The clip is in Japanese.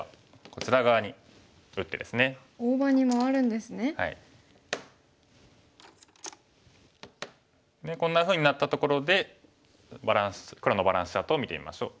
でこんなふうになったところで黒のバランスチャートを見てみましょう。